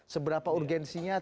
seberapa urgensinya tim independen